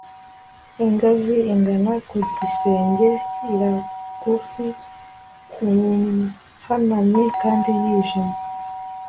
ingazi igana ku gisenge iragufi, ihanamye, kandi yijimye